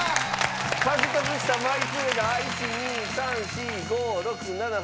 獲得した枚数が１２３４５６７８９枚。